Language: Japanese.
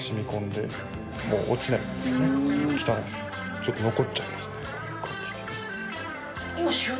ちょっと残っちゃいますね。